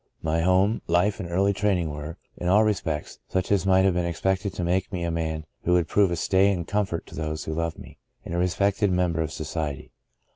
My home, life and early training were, in all respects, such as might have been expected to make me a man who would prove a stay and comfort to those who loved me, and a respected mem ber of society.